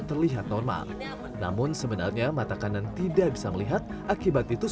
terlihat normal namun sebenarnya mata kanan tidak bisa melihat akibat titus